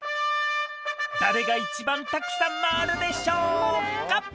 誰が一番たくさん回るでしょうか。